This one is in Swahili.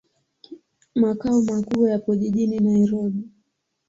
Makao makuu yapo jijini Nairobi.